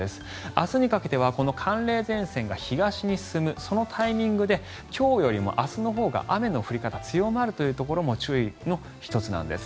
明日にかけては寒冷前線が東に進むそのタイミングで今日よりも明日のほうが雨の降り方強まるところも注意の１つなんです。